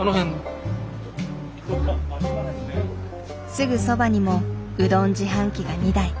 すぐそばにもうどん自販機が２台。